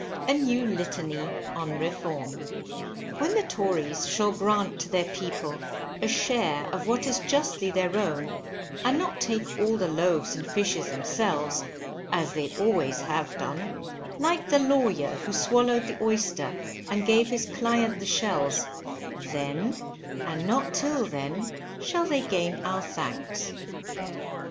A NEW LITANY ON REFORM. When the Tories shall grant to the people a share of what is justly their own, and not take all the loaves and fishes themselves, as they always have done; like the lawyer who swallowed the oyster and gave his client the shells; then, and not till then, shall they gain our thanks.